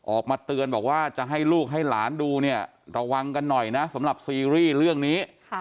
ออกมาเตือนบอกว่าจะให้ลูกให้หลานดูเนี่ยระวังกันหน่อยนะสำหรับซีรีส์เรื่องนี้